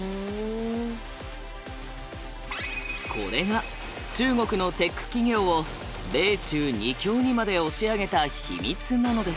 これが中国のテック企業を米中２強にまで押し上げた秘密なのです。